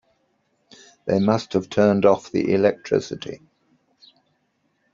They must have turned off the electricity.